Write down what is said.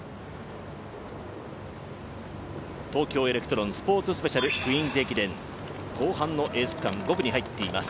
東京エレクトロンスポーツスペシャル、クイーンズ駅伝後半のエース区間５区に入っています。